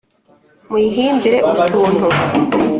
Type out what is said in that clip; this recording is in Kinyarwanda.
muyihimbire utuntu